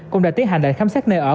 cũng đã tiến hành lệnh khám sát nơi ở